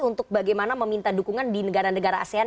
untuk bagaimana meminta dukungan di negara negara asean